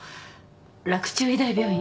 洛中医大病院。